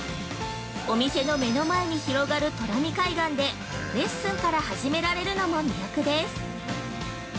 お店の目の前に広がる東浪見海岸でレッスンから始められるのも魅力です。